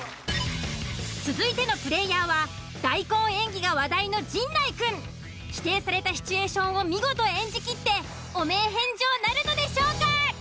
続いてのプレイヤーは大根演技が話題の陣内くん。指定されたシチュエーションを見事演じきって汚名返上なるのでしょうか？